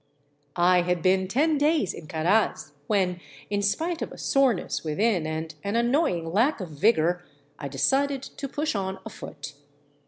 I had been ten days in Caraz when, in spite of a soreness within and an annoying lack of vigor, I decided to push on afoot.